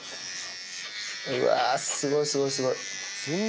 うわー、すごいすごいすごい。